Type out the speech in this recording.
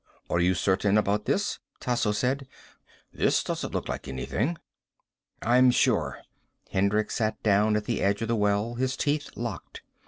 "Are you certain about this?" Tasso said. "This doesn't look like anything." "I'm sure." Hendricks sat down at the edge of the well, his teeth locked.